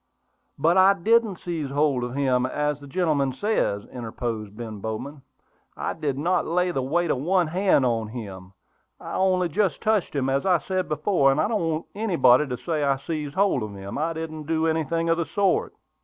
"But I didn't seize hold of him, as the gentleman says," interposed Ben Bowman. "I did not lay the weight of one hand on him; I only just touched him, as I said before; and I don't want anybody to say I seized hold of him. I didn't do anything of the sort."